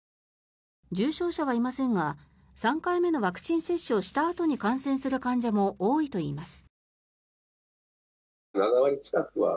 重症者はいませんが３回目のワクチン接種をしたあとに感染する患者も多いといいます。